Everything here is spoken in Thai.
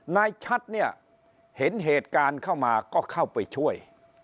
นายชัดเนี่ยเห็นเหตุการณ์เข้ามาก็เข้าไปช่วย